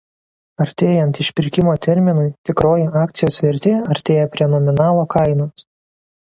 Artėjant išpirkimo terminui tikroji akcijos vertė artėja prie nominalo kainos.